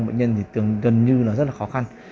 bệnh nhân thì gần như là rất là khó khăn